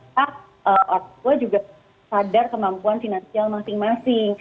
tetap artis juga sadar kemampuan finansial masing masing